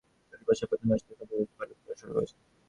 চলতি বছরের প্রথম মাস থেকে নতুন দায়িত্ব পালন শুরু করেছেন তিনি।